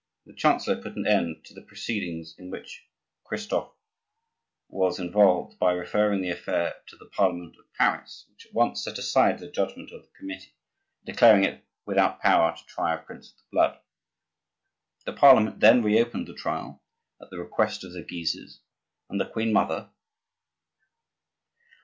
The chancellor put an end to the proceedings in which Christophe was involved by referring the affair to the Parliament of Paris, which at once set aside the judgment of the committee, declaring it without power to try a prince of the blood. The Parliament then reopened the trial, at the request of the Guises and the queen mother.